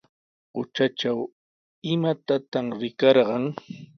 Qutratraw, ¿imatataq rikarqan?